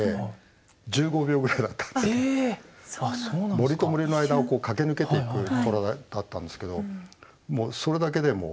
森と森の間を駆け抜けていくトラだったんですけどもうそれだけでもしびれたというか。